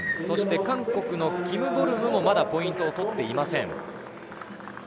そして韓国のキム・ボルムもまだポイントを取っていません。